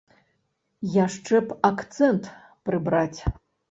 Яшчэ б акцэнт прыбраць.